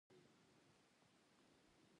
کروندګر د سختو حالاتو سره مقابله کوي